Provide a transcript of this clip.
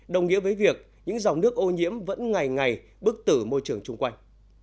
đồng nghĩa với việc những dòng nước ô nhiễm vẫn ngày ngày bức tử môi trường chung quanh